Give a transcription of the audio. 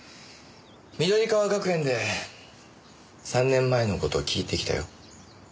緑川学園で３年前の事聞いてきたよ。